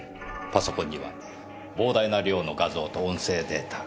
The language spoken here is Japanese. パソコンには膨大な量の画像と音声データ。